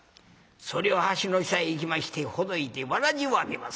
それを橋の下へ行きましてほどいて草鞋を編みます。